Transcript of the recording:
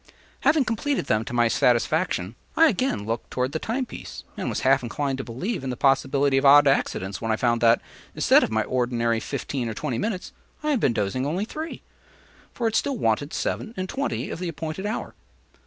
Having completed them to my satisfaction, I again looked toward the time piece and was half inclined to believe in the possibility of odd accidents when I found that, instead of my ordinary fifteen or twenty minutes, I had been dozing only three; for it still wanted seven and twenty of the appointed hour.